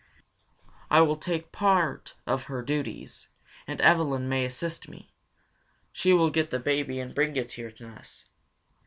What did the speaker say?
I will take part of her duties, and Evelyn may assist me. She will get the baby and bring it here to us.